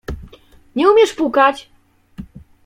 Nie umiesz pukać?